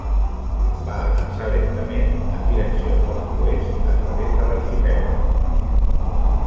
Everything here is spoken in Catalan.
Va avançar lentament en direcció nord-oest a través l'arxipèlag.